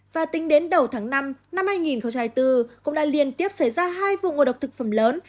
và tính đến đầu tháng năm năm hai nghìn hai mươi bốn cũng đã liên tiếp xảy ra hai vụ ngộ độc thực phẩm lớn